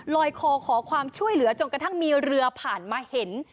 คอขอความช่วยเหลือจนกระทั่งมีเรือผ่านมาเห็น